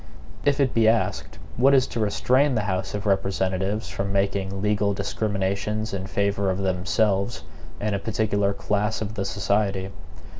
If it be asked, what is to restrain the House of Representatives from making legal discriminations in favor of themselves and a particular class of the society?